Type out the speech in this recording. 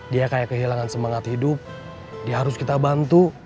dia kayak kehilangan semangat hidup dia harus kita bantu